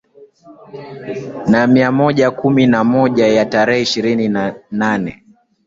na mia moja kumi na moja ya tarehe ishirini na nane